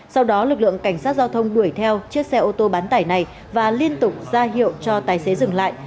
sau đó lực lượng cảnh sát giao thông đuổi theo chiếc xe ô tô bán tải này và liên tục ra hiệu cho tài xế dừng lại